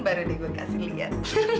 baru nih gue kasih liat